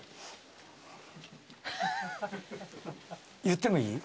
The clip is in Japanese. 言ってもいい？